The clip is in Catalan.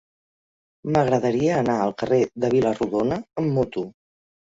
M'agradaria anar al carrer de Vila-rodona amb moto.